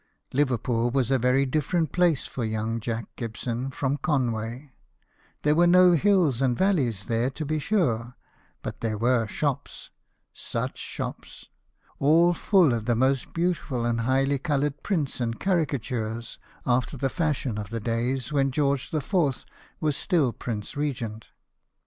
Liverpool was a very different place for young Jack Gibson from Conway : there were no hills and valleys there, to be sure, but there were shops such shops ! all full of the most beautiful and highly coloured prints and caricatures, after the fashion of the days when George IV. was still Prince Regent.